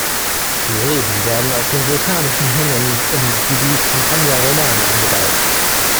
Die Reben werden auf den vulkanischen Hängen im Gebiet Campagna Romana angebaut.